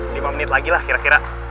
lima menit lagi lah kira kira